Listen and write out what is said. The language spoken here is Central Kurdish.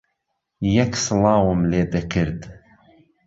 یەک سڵاوم لێ دەکرد